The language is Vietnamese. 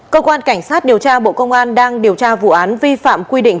cơ quan cảnh sát điều tra bộ công an đang điều tra vụ án vi phạm quy định